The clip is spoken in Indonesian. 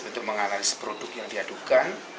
untuk menganalisis produk yang diadukan